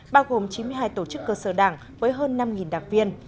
bao gồm chín mươi hai tổ chức cơ sở đảng với hơn năm đặc viên